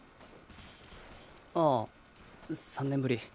ああ３年ぶり。